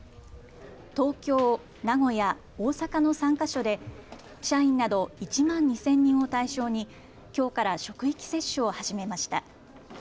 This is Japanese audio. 東京、名古屋、大阪の３か所で社員など１万２０００人を対象にきょうから職域接種を始めました。